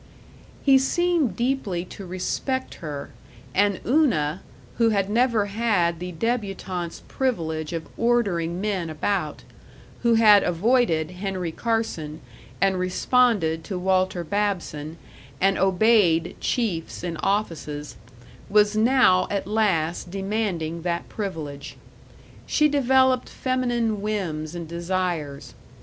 He seemed deeply to respect her, and Una, who had never had the débutante's privilege of ordering men about, who had avoided Henry Carson and responded to Walter Babson and obeyed chiefs in offices, was now at last demanding that privilege. She developed feminine whims and desires.